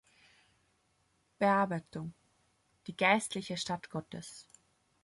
Bearbeitung: "Die geistliche Stadt Gottes.